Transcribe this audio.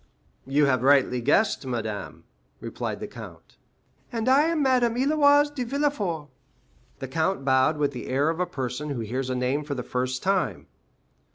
"You have rightly guessed, madame," replied the count. "And I am Madame Héloïse de Villefort." The count bowed with the air of a person who hears a name for the first time.